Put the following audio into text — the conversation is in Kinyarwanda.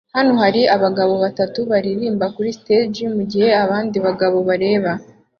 Hano hari abagabo batatu baririmba kuri stage mugihe abandi bagabo bareba